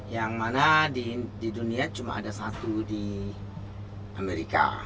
yang mana di dunia cuma ada satu di amerika